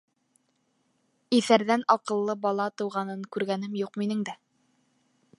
Иҫәрҙән аҡыллы бала тыуғанын күргәнем юҡ минең дә.